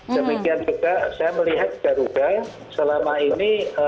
demikian juga saya melihat garuda selama ini